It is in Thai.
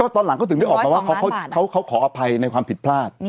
ตอนหลังก็ถึงได้ออกมาว่าเขาขออภัยในความผิดพลาด